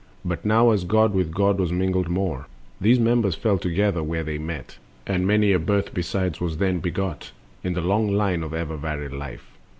But now as God with God was mingled more, These members fell together where they met, And many a birth besides was then begot In a long line of ever varied life.